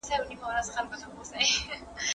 ادې مې ویل چې نازیه ستا په پیدایښت کې ګرځېدله.